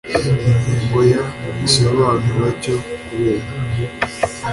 Ingingo ya Igisobanuro cyo kubera